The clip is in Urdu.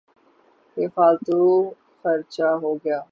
یہ فالتو خرچہ ہو گیا۔